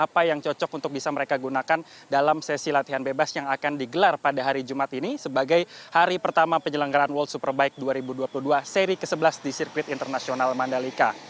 apa yang cocok untuk bisa mereka gunakan dalam sesi latihan bebas yang akan digelar pada hari jumat ini sebagai hari pertama penyelenggaraan world superbike dua ribu dua puluh dua seri ke sebelas di sirkuit internasional mandalika